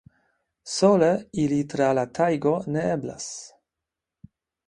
Sole iri tra la tajgo ne eblas!